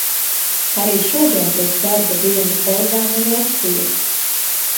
Arī šodien pēc darba dienas beigām ir lekcijas.